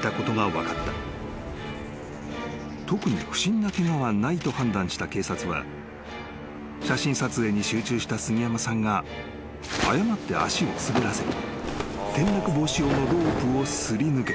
［特に不審なケガはないと判断した警察は写真撮影に集中した杉山さんが誤って足を滑らせ転落防止用のロープを擦り抜け］